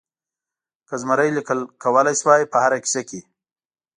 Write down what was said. که زمری لیکل کولای شول په هره کیسه کې.